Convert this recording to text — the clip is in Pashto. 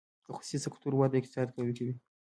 د خصوصي سکتور وده اقتصاد قوي کوي